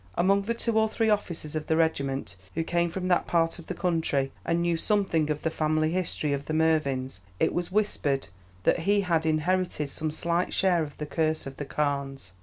Among the two or three officers of the regiment who came from that part of the country, and knew something of the family history of the Mervyns, it was whispered that he had inherited some slight share of the curse of the Carnes.